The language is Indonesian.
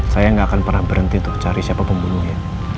saya nggak akan pernah berhenti untuk cari siapa pembunuhnya